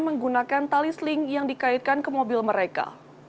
menggunakan tali seling yang dikaitkan ke mobil mereka